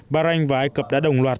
bà ranh và ai cập đã đồng loạt